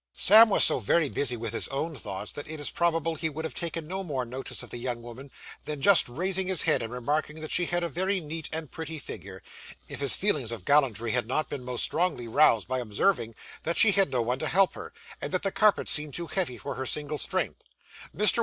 Sam was so very busy with his own thoughts, that it is probable he would have taken no more notice of the young woman than just raising his head and remarking that she had a very neat and pretty figure, if his feelings of gallantry had not been most strongly roused by observing that she had no one to help her, and that the carpets seemed too heavy for her single strength. Mr.